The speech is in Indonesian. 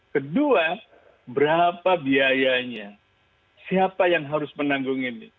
kedua berapa biayanya siapa yang harus menanggung ini